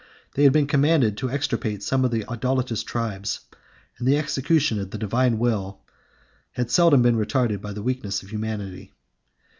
They had been commanded to extirpate some of the most idolatrous tribes, and the execution of the divine will had seldom been retarded by the weakness of humanity.